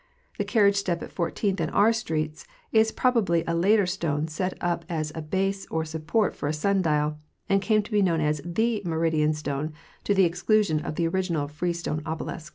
The carriage step at Fourteenth and R streets is probably a later stone set up asa base or support for a sun dial, and came to be known as the Meridian stone to the exclusion of the original freestone obelisk.